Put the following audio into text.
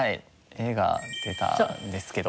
映画出たんですけど。